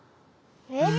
え？